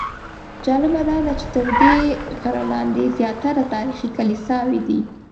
جالبه داده چې تر دې غره لاندې زیاتره تاریخي کلیساوې دي.